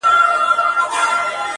لکه اسمان چي له ملیاره سره لوبي کوي-